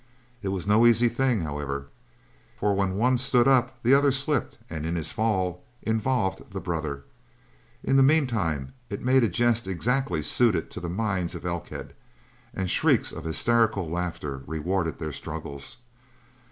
It was no easy thing, however, for when one stood up the other slipped and in his fall involved the brother. In the meantime it made a jest exactly suited to the mind of Elkhead, and shrieks of hysterical laughter rewarded their struggles.